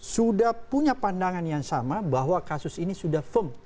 sudah punya pandangan yang sama bahwa kasus ini sudah firm